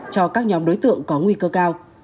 cho các nhóm đối tượng có nguy cơ cao